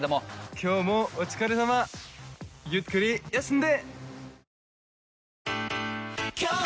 今日もお疲れさまゆっくり休んで。